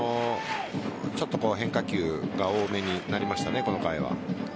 ちょっと変化球が多めになりましたね、この回は。